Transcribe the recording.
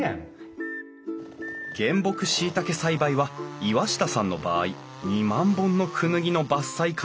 原木しいたけ栽培は岩下さんの場合２万本のクヌギの伐採から始まる。